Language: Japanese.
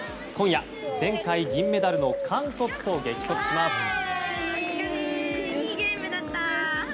今夜、前回銀メダルの韓国と激突します。